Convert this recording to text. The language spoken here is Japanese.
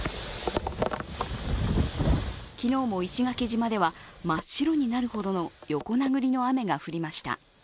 昨日も石垣島では真っ白になるほどの横殴りの雨が降りました。